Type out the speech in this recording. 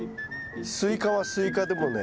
スイカはスイカでもね